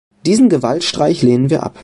Diesen Gewaltstreich lehnen wir ab.